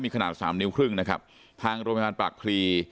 มีขนาดสามนิ้วครึ่งนะครับทางโรงพยาบาลปากพลี